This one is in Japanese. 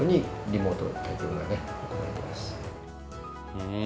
うん。